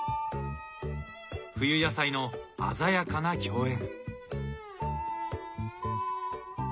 冬野菜の鮮やかな競演。